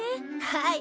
はい。